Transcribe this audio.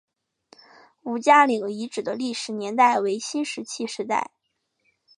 吴家岭遗址的历史年代为新石器时代。